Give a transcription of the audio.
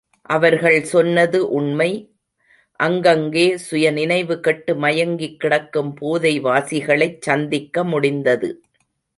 அவர்கள் சொன்னது உண்மை அங்கங்கே சுயநினைவு கெட்டு மயங்கிக் கிடக்கும் போதைவாசிகளைச் சந்திக்க முடிந்தது.